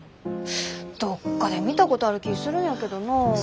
どっかで見たことある気ぃするんやけどなあ。